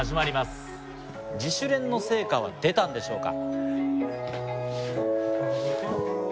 自主練の成果は出たんでしょうか。